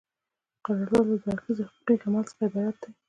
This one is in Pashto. قرارداد له دوه اړخیزه حقوقي عمل څخه عبارت دی.